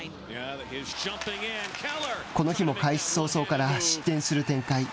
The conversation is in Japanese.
この日も開始早々から失点する展開。